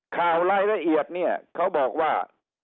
ข่าวรายละเอียดเนี่ยเขาบอกว่า